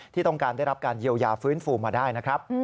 ที่ต้องการได้รับการเยียวยาฟื้นฟูมาได้นะครับ